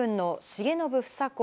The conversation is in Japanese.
重信房子